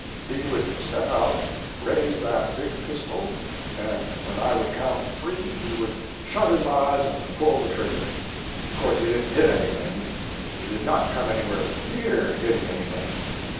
He would step out, raise that big pistol, and when I would count three he would shut his eyes and pull the trigger. Of course he didn't hit anything; he did not come anywhere near hitting anything.